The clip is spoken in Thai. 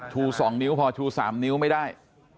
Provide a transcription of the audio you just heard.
ชู๒นิ้วพอชู๓นิ้วไม่ได้